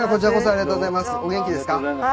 ありがとうございます。